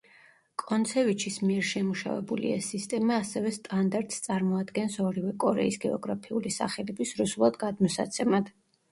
კონცევიჩის მიერ შემუშავებული ეს სისტემა ასევე სტანდარტს წარმოადგენს ორივე კორეის გეოგრაფიული სახელების რუსულად გადმოსაცემად.